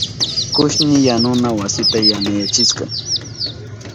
Kushni yanuna wasita yanayachishka.